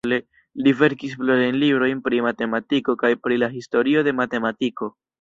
Li verkis plurajn librojn pri matematiko kaj pri la historio de matematiko.